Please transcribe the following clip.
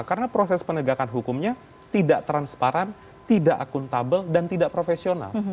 karena proses penegakan hukumnya tidak transparan tidak akuntabel dan tidak profesional